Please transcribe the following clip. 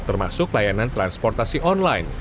termasuk layanan transportasi online